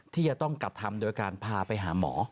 ที่จะต้องกระทำโดยการพาไปหาหมอ